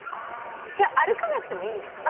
じゃ、歩かなくてもいいんですね。